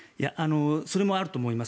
それもあると思います。